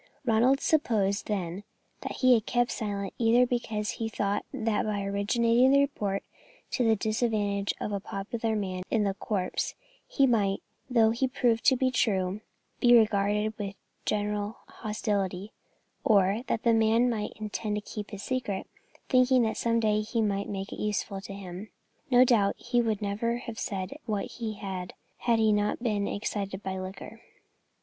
Ronald supposed, then, that he had kept silence either because he thought that by originating the report to the disadvantage of a popular man in the corps he might, though it proved to be true, be regarded with general hostility, or, that the man might intend to keep his secret, thinking that some day or other he might make it useful to him. No doubt he never would have said what he did had he not been excited by liquor.